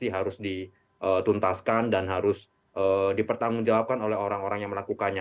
harus dituntaskan dan harus dipertanggungjawabkan oleh orang orang yang melakukannya